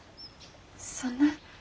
そんな。